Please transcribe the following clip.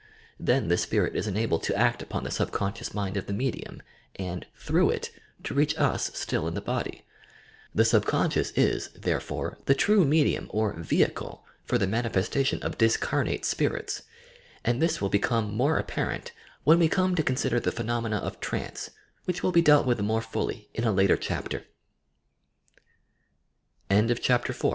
Then the spirit is enabled to aet upon the subconscious mind of the medium and, through it, to reach us still in the body. The subconscious is, therefore, the true medium or vehicle for the manifestation of discamate spirits, and this will become more apparent when we come to con sider the phenomena of trance, wMch